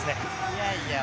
いやいや。